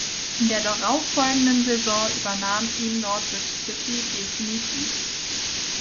In der darauffolgenden Saison übernahm ihn Norwich City definitiv.